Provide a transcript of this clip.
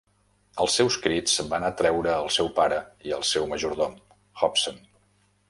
Els seus crits van atreure el seu pare i el seu majordom, Hobson.